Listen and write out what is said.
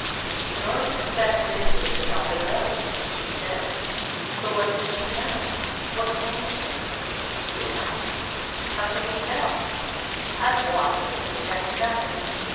"He can only suspect things which his daughter knows," she said. "But what does she know? What can she know?" he asked. "How can we tell? I have watched, but can detect nothing.